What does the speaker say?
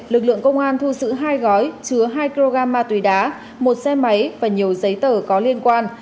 lực lượng công an thu giữ hai gói chứa hai kg ma túy đá một xe máy và nhiều giấy tờ có liên quan